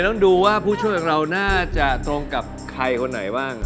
ต้องดูว่าผู้ช่วยของเราน่าจะตรงกับใครคนไหนบ้าง